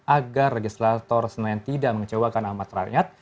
agar legislator senayan tidak mengecewakan amat rakyat